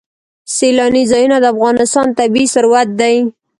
سیلانی ځایونه د افغانستان طبعي ثروت دی.